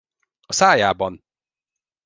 A szájában!